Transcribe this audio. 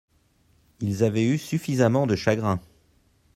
Ils avaient eu suffissament de chagrin.